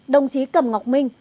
đồng chí cẩm ngọc minh